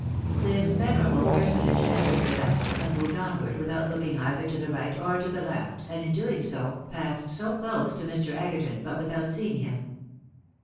This venerable personage entered the vessel and moved onward, without looking either to the right or to the left, and in doing so, passed close to Mr. Egerton, but without seeing him.